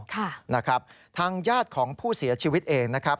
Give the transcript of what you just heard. ทางญาติของผู้เสียชีวิตเองนะครับ